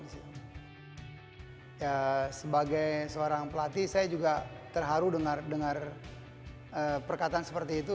sebagai seorang pelatih saya juga terharu dengar perkataan seperti itu